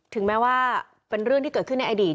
ถึงแม้ว่าเป็นเรื่องที่เกิดขึ้นในอดีต